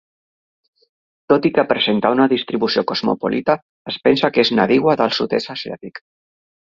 Tot i que presenta una distribució cosmopolita es pensa que és nadiua del sud-est asiàtic.